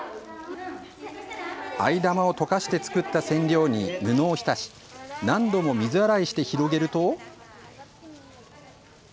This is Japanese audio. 藍玉を溶かして作った染料に布を浸し何度も水洗いして広げると。